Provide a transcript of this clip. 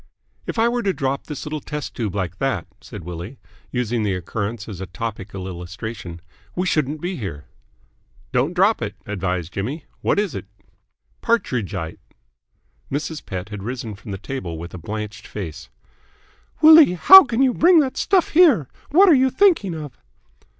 "If I were to drop this little tube like that," said Willie, using the occurrence as a topical illustration, "we shouldn't be here." "Don't drop it," advised Jimmy. "What is it?" "Partridgite!" Mrs. Pett had risen from the table, with blanched face. "Willie, how can you bring that stuff here? What are you thinking of?"